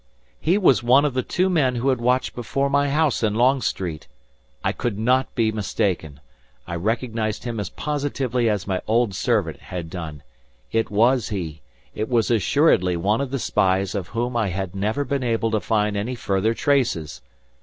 He was one of the two men who had watched before my house in Long Street! I could not be mistaken! I recognized him as positively as my old servant had done. It was he; it was assuredly one of the spies of whom I had never been able to find any further traces!